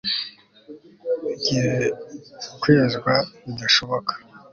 igihe kwezwa bidashoboka